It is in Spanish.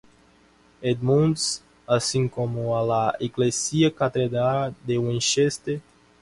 Edmunds, así como a la iglesia-catedral de Winchester.